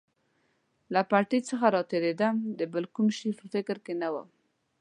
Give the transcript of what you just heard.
له پټۍ څخه تېرېدم، د بل کوم شي په فکر کې نه ووم.